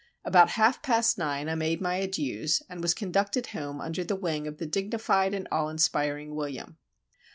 About half past nine I made my adieus, and was conducted home under the wing of the dignified and awe inspiring William.